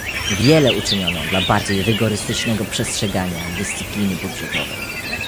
Wiele uczyniono dla bardziej rygorystycznego przestrzegania dyscypliny budżetowej